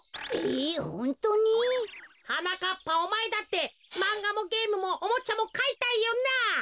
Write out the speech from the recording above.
えホントに？はなかっぱおまえだってまんがもゲームもおもちゃもかいたいよな？